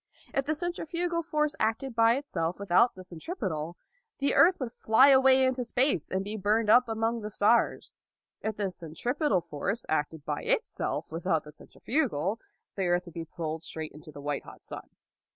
If the centrifugal force acted by itself without the centripetal, the earth would fly away into space and be burned up among the stars. If the centripetal 211 212 LAUD force acted by itself without the centrif ugal, the earth would be pulled straight into the white hot sun.